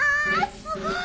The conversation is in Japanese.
すごい！